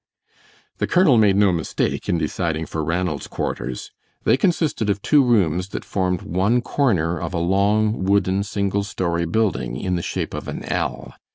The colonel made no mistake in deciding for Ranald's quarters. They consisted of two rooms that formed one corner of a long, wooden, single story building in the shape of an L.